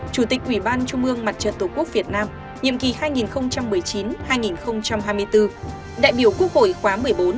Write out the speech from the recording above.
chủ tịch ủy ban trung ương mặt trận tổ quốc việt nam nhiệm kỳ hai nghìn một mươi chín hai nghìn hai mươi bốn đại biểu quốc hội khóa một mươi bốn